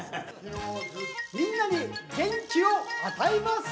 みんなに元気を与えます！